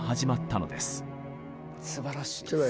すばらしい。